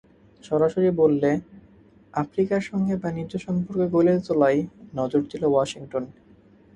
সরাসরি বললে, আফ্রিকার সঙ্গে বাণিজ্য সম্পর্ক গড়ে তোলায় নজর দিল ওয়াশিংটন।